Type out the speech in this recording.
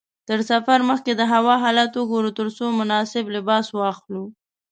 تر سفر مخکې د هوا حالت وګوره ترڅو مناسب لباس واخلې.